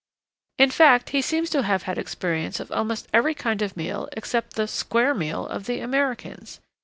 In fact he seems to have had experience of almost every kind of meal except the 'square meal' of the Americans.